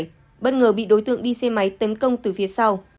chạy xe máy tấn công từ phía sau